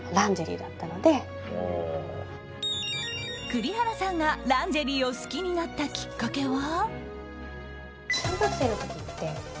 栗原さんがランジェリーを好きになったきっかけは。